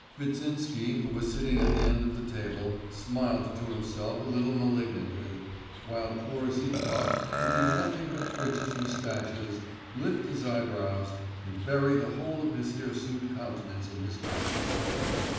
Kvitsinsky, who was sitting at the end of the table, smiled to himself a little malignantly, while poor Zhitkov could do nothing but twitch his moustaches, lift his eyebrows, and bury the whole of his hirsute countenance in his napkin.